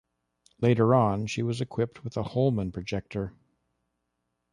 Later on, she was equipped with a Holman Projector.